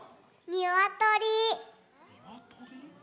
ニワトリ？